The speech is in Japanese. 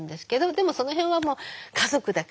でもその辺はもう「家族だから。